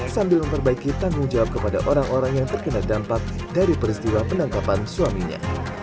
sambil memperbaiki tanggung jawab kepada orang orang yang terkena dampak dari peristiwa penangkapan suaminya